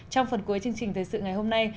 trong phần cuối chương trình thời sự ngày hôm nay